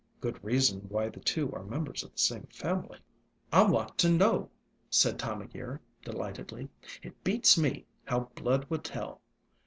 Good reason why — the two are members of the same family." "I want to know!" said Time o' Year, delight edly. "It beats me, how blood will tell!